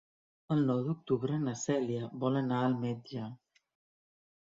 El nou d'octubre na Cèlia vol anar al metge.